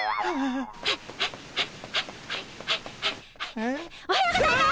えっ？おはようございます！